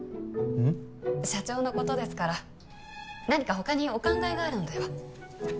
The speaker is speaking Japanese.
うん？社長のことですから何か他にお考えがあるのでは？